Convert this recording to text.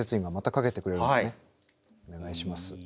お願いします。